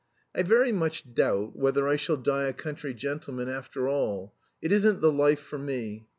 "I very much doubt whether I shall die a country gentleman after all. It isn't the life for me.